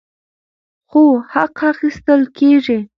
خو حق اخیستل کیږي.